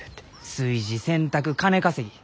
炊事洗濯金稼ぎ。